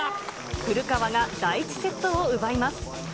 古川が第１セットを奪います。